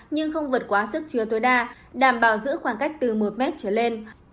nhưng không vượt quá sức trưa tối đa đảm bảo giữ khoảng cách từ một m trở lên